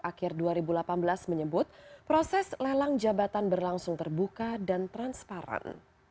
akhir dua ribu delapan belas menyebut proses lelang jabatan berlangsung terbuka dan transparan